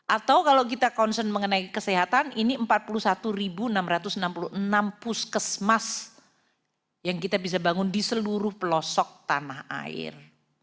atau kalau kita concern mengenai kesehatan ini empat puluh satu enam ratus enam puluh enam puskesmas yang kita bisa bangun di seluruh pelosok tanah air